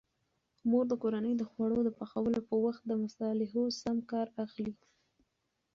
مور د کورنۍ د خوړو د پخولو په وخت د مصالحو سم کار اخلي.